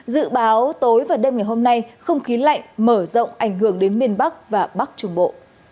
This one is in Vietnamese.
dự báo tối và đêm ngày hôm nay không khí lạnh mở rộng ảnh hưởng đến miền bắc và bắc trung bộ